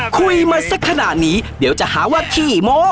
คุยมาสักขนาดนี้เดี๋ยวจะหาว่าขี้โม